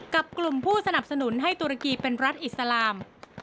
กับกลุ่มผู้สนับสนุนให้ตุรกีเป็นรัฐอิสลาม